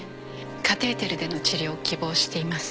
カテーテルでの治療を希望しています。